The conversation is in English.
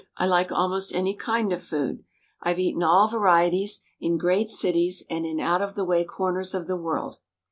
I like almost any kind of food. I've eaten all varieties — in great cities and in out of the way corners of the world.